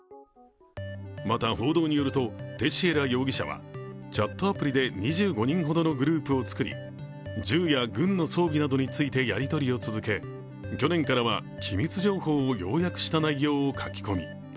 また、報道によるテシエラ容疑者はチャットアプリで２５人ほどのグループをつくり銃や軍の装備などについてやり取りを続け去年からは機密情報を要約した内容を書き込み。